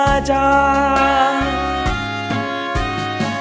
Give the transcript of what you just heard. ร่วมน้ำตา